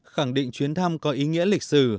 khẳng định chuyến thăm có ý nghĩa lịch sử